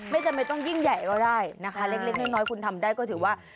ไม่จำเป็นต้องยิ่งใหญ่ก็ได้นะคะเล็กน้อยคุณทำได้ก็ถือว่า